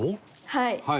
はい。